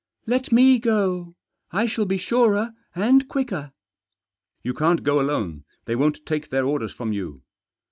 " Let me go ; I shall be surer — and quicker." " You can't go alone ; they won't take their orders from you."